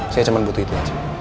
saya cuma butuh itu aja